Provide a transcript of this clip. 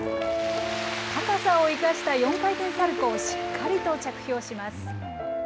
高さを生かした４回転サルコーをしっかりと着氷します。